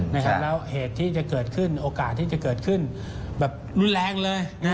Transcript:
แล้วเหตุที่จะเกิดขึ้นโอกาสที่จะเกิดขึ้นแบบรุนแรงเลย